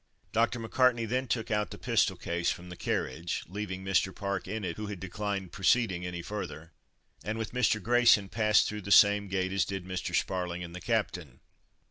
Dr. MacCartney then took out the pistol case from the carriage (leaving Mr. Park in it, who had declined proceeding any further), and with Mr. Grayson passed through the same gate as did Mr. Sparling and the Captain.